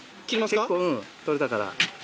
結構取れたから。